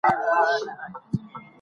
قمري بیا خپله هڅه له سره پیل کړه.